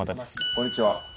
こんにちは。